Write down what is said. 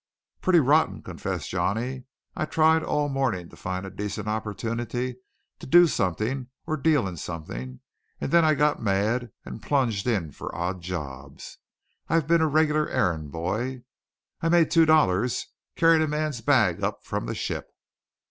"Pretty rotten," confessed Johnny. "I tried all morning to find a decent opportunity to do something or deal in something, and then I got mad and plunged in for odd jobs. I've been a regular errand boy. I made two dollars carrying a man's bag up from the ship."